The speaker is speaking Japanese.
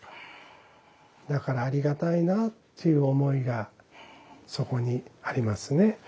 だからありがたいなという思いがそこにありますね。